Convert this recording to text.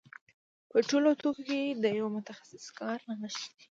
په ټولو توکو کې د یو متخصص کار نغښتی دی